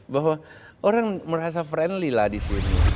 bahwa orang merasa friendly lah di sini